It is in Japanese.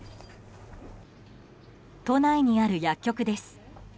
都内にある薬局です。